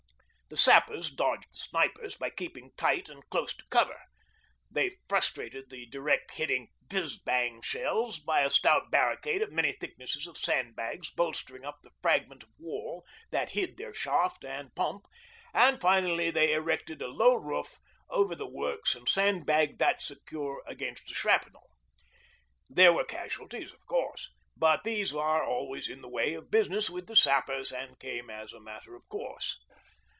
The Sappers dodged the snipers by keeping tight and close to cover; they frustrated the direct hitting 'Fizz Bang' shells by a stout barricade of many thicknesses of sandbags bolstering up the fragment of wall that hid their shaft and pump, and finally they erected a low roof over the works and sandbagged that secure against the shrapnel. There were casualties of course, but these are always in the way of business with the Sappers and came as a matter of course.